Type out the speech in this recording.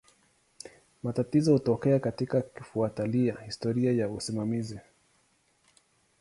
Matatizo hutokea katika kufuatilia historia ya usimamizi.